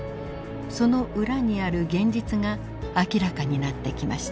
その裏にある現実が明らかになってきました。